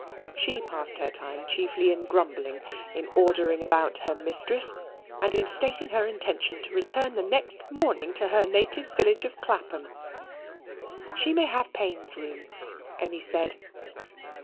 She passed her time chiefly in grumbling, in ordering about her mistress, and in stating her intention to return the next morning to her native village of Clapham. "She may have Payne's room," Emmy said.